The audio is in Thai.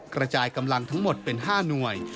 กระจายกำลังทั้งหมดเป็น๕หน่วย